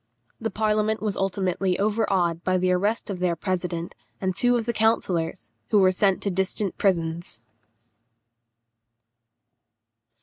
The parliament was ultimately overawed by the arrest of their president and two of the councillors, who were sent to distant prisons.